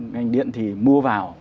ngành điện thì mua vào